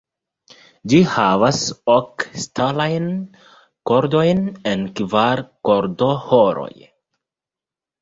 Ĝi havas ok ŝtalajn kordojn en kvar kordoĥoroj.